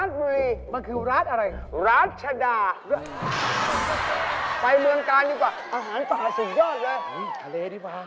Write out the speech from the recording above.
พี่เก๋พี่เก๋พี่เก๋พี่เก๋